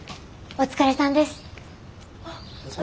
お疲れさまです。